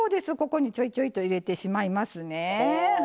ちょいちょいと入れてしまいますね。